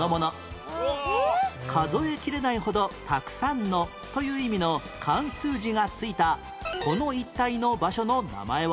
「数えきれないほどたくさんの」という意味の漢数字が付いたこの一帯の場所の名前は？